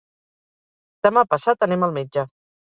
Demà passat anem al metge.